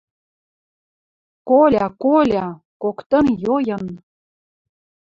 — Коля, Коля! Коктын йойын...